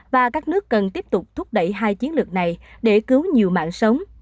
và các nước cần tiếp tục thúc đẩy hai chiến lược này để cứu nhiều mạng sống